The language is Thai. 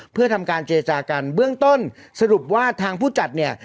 เพื่อทำการเจจากันเบื้องต้นสรุปว่าทางผู้จัดเนี่ย